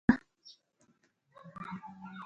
د ننګرهار په کوز کونړ کې څه شی شته؟